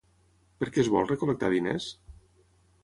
Per què es vol recol·lectar diners?